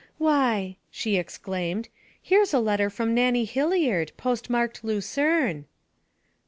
'Why!' she exclaimed, 'here's a letter from Nannie Hilliard, postmarked Lucerne.'